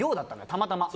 たまたま。